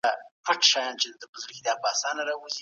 ایا افغان سوداګر وچ توت اخلي؟